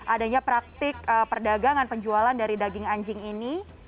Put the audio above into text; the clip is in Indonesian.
adanya praktik perdagangan penjualan dari daging anjing ini